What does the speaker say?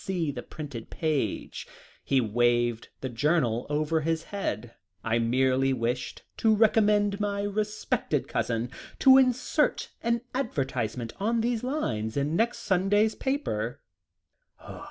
see the printed page" he waved the journal over his head "I merely wished to recommend my respected cousin to insert an advertisement on these lines, in next Sunday's paper."